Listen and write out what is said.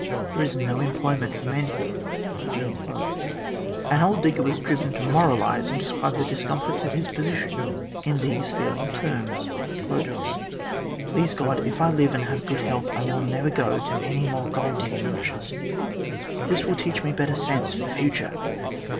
There is no employment for men here." An old digger was driven to moralise and describe the discomforts of his position in these feeling terms: " Please God, if I live and have good health, I will never go to any more gold digging rushes. This will teach me better sense for the future.